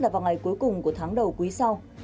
và ngày cuối cùng của tháng đầu cuối sau